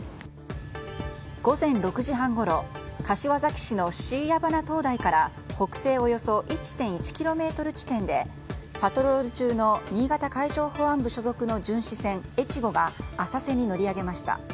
午前６時半ごろ柏崎市の椎谷鼻灯台から北西およそ１．１ｋｍ地点でパトロール中の新潟海上保安部所属の巡視船「えちご」が浅瀬に乗り上げました。